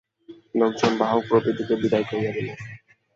লোকজন বাহক প্রভৃতিকে বিদায় করিয়া দিলেন।